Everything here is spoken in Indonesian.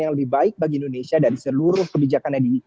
yang lebih baik bagi indonesia dari seluruh kebijakannya ini